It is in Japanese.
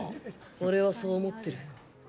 俺はそう思ってる。